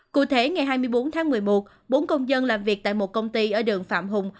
cụ thể ngày hai mươi bốn tháng một mươi một bốn công dân làm việc tại một công ty ở đường phạm hùng